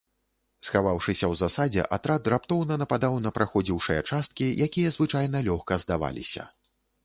Схаваўшыся ў засадзе, атрад раптоўна нападаў на праходзіўшыя часткі, якія звычайна лёгка здаваліся.